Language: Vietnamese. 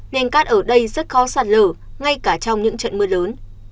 nên cát ở đây rất khó sạt lở ngay cả trong những trận mưa lớn